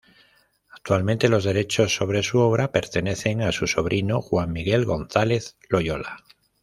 Actualmente, los derechos sobre su obra, pertenecen a su sobrino Juan Miguel González Loyola.